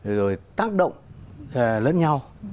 rồi tác động lớn nhau